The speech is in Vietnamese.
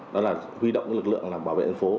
đó là huy động lực lượng bảo vệ đất phố